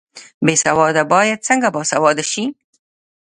بې سواده باید څنګه باسواده شي؟